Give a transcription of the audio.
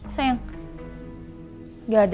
sayang gak ada